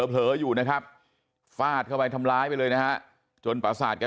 เผลออยู่นะครับฟาดเข้าไปทำร้ายไปเลยนะฮะจนประสาทแก